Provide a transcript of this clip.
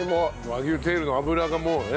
和牛テールの脂がもうね